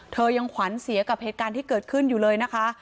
ยังขวัญเสียกับเหตุการณ์ที่เกิดขึ้นอยู่เลยนะคะ